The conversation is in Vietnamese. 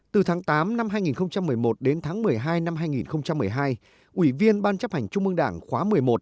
từ tháng tám năm hai nghìn một mươi một đến tháng một mươi hai năm hai nghìn một mươi hai ủy viên ban chấp hành trung mương đảng khóa một mươi một